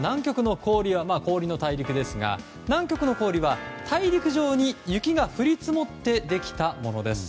氷の大陸ですが、そもそも南極の氷は、大陸上に雪が降り積もってできたものです。